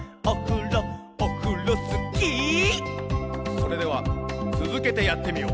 それではつづけてやってみよう！